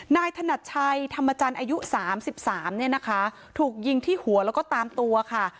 ถนัดชัยธรรมจันทร์อายุ๓๓เนี่ยนะคะถูกยิงที่หัวแล้วก็ตามตัวค่ะ